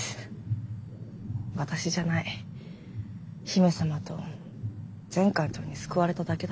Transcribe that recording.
私じゃない姫様と前艦長に救われただけだ。